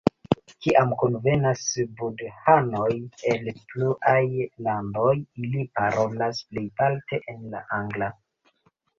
Kiam kunvenas budhanoj el pluraj landoj, ili parolas plejparte en la angla.